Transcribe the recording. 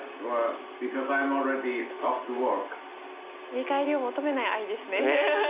見返りを求めない愛ですね。